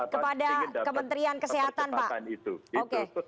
kepada kementerian kesehatan pak